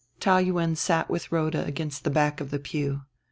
Taou Yuen sat with Rhoda against the back of the pew.